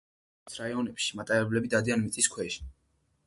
სიტიში და აღმოსავლეთის რაიონებში მატარებლები დადიან მიწის ქვეშ.